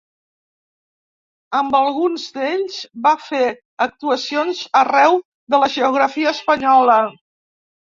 Amb alguns d'ells va fer actuacions arreu de la geografia espanyola.